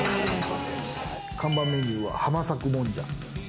看板メニューは浜作もんじゃ。